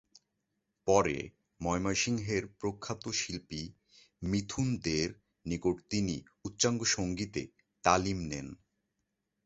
পরে ময়মনসিংহের প্রখ্যাত শিল্পী মিথুন দে’র নিকট তিনি উচ্চাঙ্গসঙ্গীতে তালিম নেন।